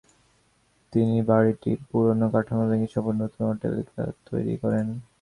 তিনি বাড়িটির পুরনো কাঠামো ভেঙ্গে সম্পূর্ণ নতুন অট্টালিকা তৈরী করেন।